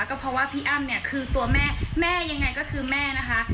ก็เพราะว่าพี่อ้ำเนี่ยคือตัวแม่แม่ยังไงก็คือแม่นะคะ